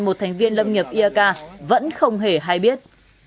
một thành viên lâm nghiệp iak vẫn không hề hay biết